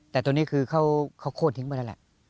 แต่ตรงนี้คือเขาโคตรทิ้งไปแล้ว